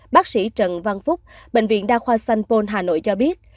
bác sĩ trần văn phúc bệnh viện đa khoa sanpôn hà nội cho biết